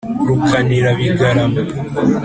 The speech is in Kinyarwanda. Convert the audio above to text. Rukanira bigarama,